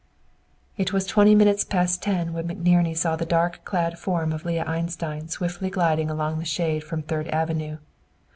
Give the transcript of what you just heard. It was twenty minutes past ten when McNerney saw the dark clad form of Leah Einstein swiftly gliding along in the shade from Third Avenue.